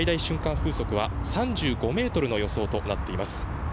風速は３５メートルの予想となっています。